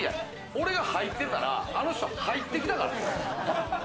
俺が入ってたら、あの人入ってきたからね。